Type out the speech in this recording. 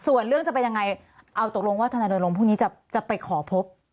ส่วนเรื่องจะไปยังไงเอาตกลงว่าธนโดยรมพรุ่งนี้จะไปขอพบ